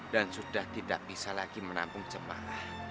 dan sudah tidak bisa lagi menampung jemaah